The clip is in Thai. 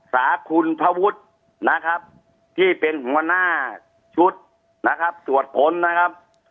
สาคุณพระวุฒินะครับที่เป็นหัวหน้าชุดนะครับตรวจค้นนะครับ